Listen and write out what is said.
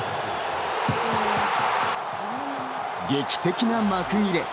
劇的な幕切れ。